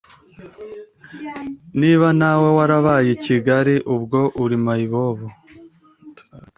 Niba nawe warabaye ikigali ubwo uri mayibobo